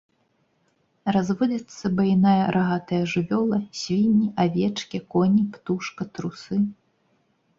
Разводзяцца буйная рагатая жывёла, свінні, авечкі, коні, птушка, трусы.